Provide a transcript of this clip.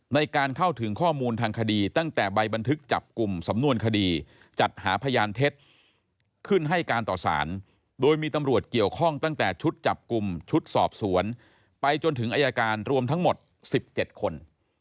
ในการเข้าถึงข้อมูลทางคดีตั้งแต่ใบบันทึกจับกลุ่มสำนวนคดีจัดหาพยานเท็จขึ้นให้การต่อสารโดยมีตำรวจเกี่ยวข้องตั้งแต่ชุดจับกลุ่มชุดสอบสวนไปจนถึงอายการรวมทั้งหมด๑๗คน